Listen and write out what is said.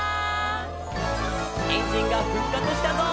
「エンジンが復活したぞ！」